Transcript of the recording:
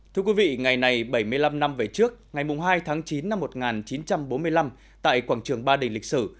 thưa quý vị ngày này bảy mươi năm năm về trước ngày hai tháng chín năm một nghìn chín trăm bốn mươi năm tại quảng trường ba đình lịch sử